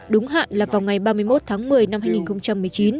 đúng hạn là vào ngày ba mươi một tháng một mươi năm hai nghìn một mươi chín